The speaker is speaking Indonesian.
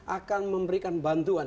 akan memberikan bantuan